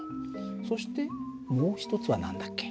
そしてもう一つは何だっけ？